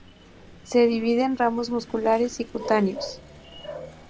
Se divide en ramos musculares y cutáneos.